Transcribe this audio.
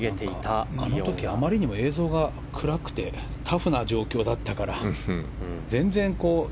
あの時あまりにも映像が暗くてタフな状況だったから。